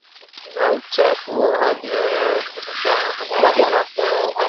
na uchafuzi wa hali ya hewa kulingana na kundi la